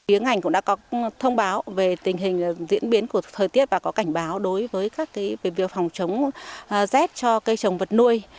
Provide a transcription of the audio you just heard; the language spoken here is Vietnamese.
yến ảnh cũng đã có thông báo về tình hình diễn biến của thời tiết và có cảnh báo đối với các việc phòng chống rét cho cây trồng vật nuôi